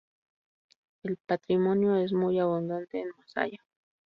El patrimonio es muy abundante en Masaya.